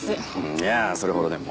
いやあそれほどでも。